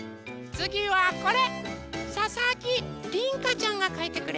つぎはこれ。